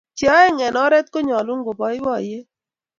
che aeng' eng oret ne nyalun ko baibaiyet